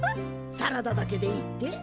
サラダだけでいいって？